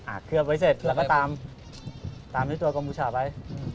อ่าเคลือบไว้เสร็จแล้วก็ตามตามในตัวกรมพุชาไป